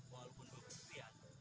walaupun gue kesepian